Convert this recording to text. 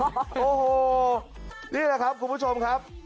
โอ้โหนี่แหละครับคุณผู้ชมครับ